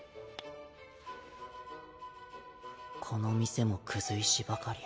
この店もクズ石ばかり。